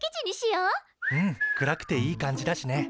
うん暗くていい感じだしね。